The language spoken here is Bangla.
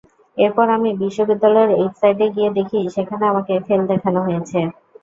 এরপর আমি বিশ্ববিদ্যালয়ের ওয়েবসাইটে গিয়ে দেখি সেখানে আমাকে ফেল দেখানো হয়েছে।